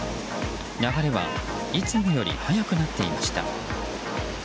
流れはいつもより速くなっていました。